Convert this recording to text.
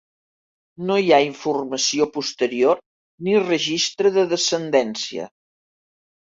No hi ha informació posterior ni registre de descendència.